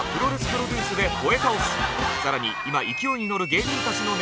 更に今勢いに乗る芸人たちのネタも。